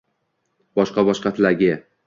Boshqa-boshqa tilagi —